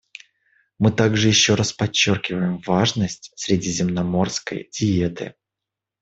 Мы также еще раз подчеркиваем важность средиземноморской диеты.